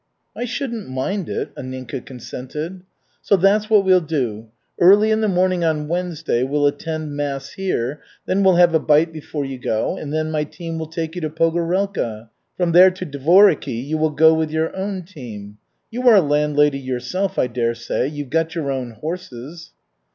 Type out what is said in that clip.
"I shouldn't mind it," Anninka consented. "So that's what we'll do. Early in the morning on Wednesday we'll attend mass here, then we'll have a bite before you go, and then my team will take you to Pogorelka. From there to Dvoriky you will go with your own team. You are a landlady yourself, I dare say. You've got your own horses."